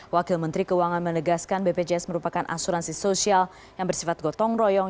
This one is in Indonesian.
wakil menteri keuangan menegaskan bpjs merupakan asuransi sosial yang bersifat gotong royong